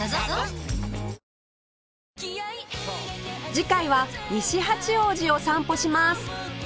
次回は西八王子を散歩します